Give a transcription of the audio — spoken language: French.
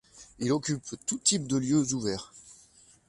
Il occupe tous types de lieux ouverts.